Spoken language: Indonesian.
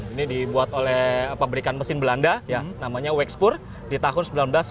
ini dibuat oleh pabrikan mesin belanda namanya wexpoor di tahun seribu sembilan ratus tiga